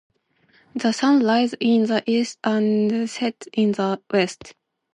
The sun rises in the east and sets in the west.